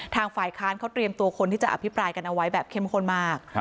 ฝ่ายค้านเขาเตรียมตัวคนที่จะอภิปรายกันเอาไว้แบบเข้มข้นมาก